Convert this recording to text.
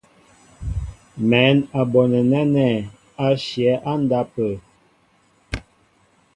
Mɛ̌n a bonɛ nɛ́nɛ́ á shyɛ̌ á ndápə̂.